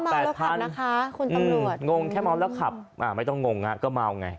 คุณตำรวจงงแค่เมาแล้วขับอ่าไม่ต้องงงอ่ะก็เมาไง